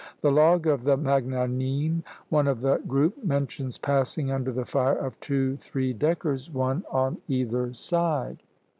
The log of the "Magnanime," one of the group, mentions passing under the fire of two three deckers, one on either side.